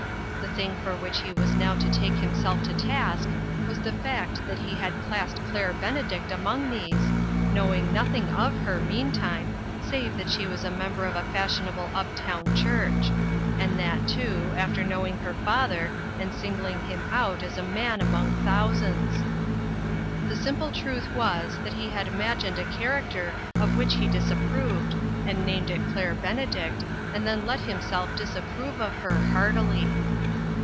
The thing for which he was now to take himself to task was the fact that he had classed Claire Benedict among these, knowing nothing of her, meantime, save that she was a member of a fashionable up town church ; and that, too, after knowing her father, and singling him out as a man among thousands. The simple truth was, that he had imagined a character of which he disapproved, and named it Cluire Benedict, and then let himself dis approve of her heartily.